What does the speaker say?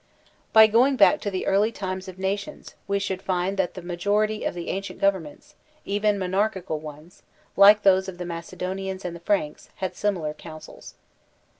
By going back to the early times of nations, we should find that the majority of the ancient governments, even monarchical ones, like those of the Macedonians and the Franks, had similar councils.